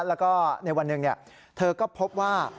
แล้วก็ในวันหนึ่งเธอก็พบว่า